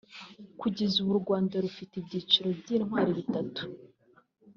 Kugeza ubu u Rwanda rufite ibyiciro by’intwari bitatu